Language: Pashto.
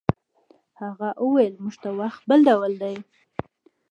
هغه وویل موږ ته وخت بل ډول دی.